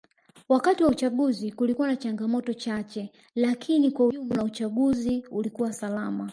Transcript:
Wakati wa uchaguzi kulikuwa na changamoto chache lakini kwa jumla uchaguzi ulikuwa salama